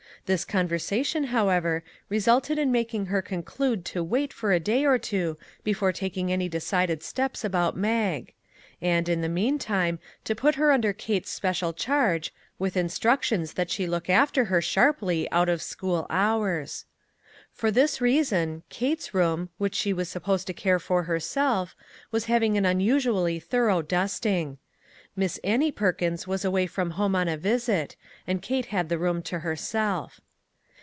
This conversation, how ever, resulted in making her conclude to wait for a day or two before taking any decided steps about Mag; and, in the meantime, to put her under Kate's special charge, with instruc tions that she look after her sharply out of school hours. For this reason, Kate's room, which she was supposed to care for herself, was having an 122 unusually thorough dusting. Miss Annie Per kins was away from home on a visit, and Kate had the room to herself.